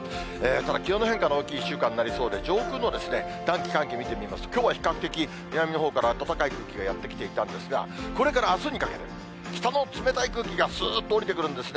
ただ、気温の変化の大きい１週間になりそうで、上空の暖気、寒気、見てみますと、きょうは比較的、南のほうから暖かい空気がやって来ていたんですが、これからあすにかけて、北の冷たい空気がすーっと下りてくるんですね。